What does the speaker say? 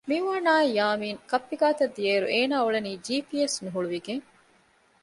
މިއުވާންއާއި ޔާމިން ކައްޕި ގާތަށް ދިޔައިރު އޭނާ އުޅެނީ ޖީޕީއެސް ނުހުޅުވިގެން